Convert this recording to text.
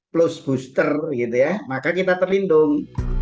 plus booster gitu ya maka kita terlindung